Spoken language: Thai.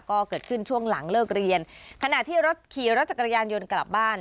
ก็เกิดขึ้นช่วงหลังเลิกเรียนขณะที่รถขี่รถจักรยานยนต์กลับบ้าน